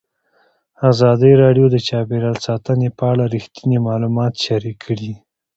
ازادي راډیو د چاپیریال ساتنه په اړه رښتیني معلومات شریک کړي.